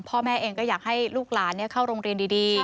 พ่อแม่เองก็อยากให้ลูกหลานเข้าโรงเรียนดี